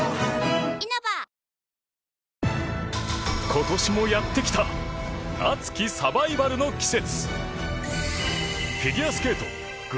今年もやってきた熱きサバイバルの季節。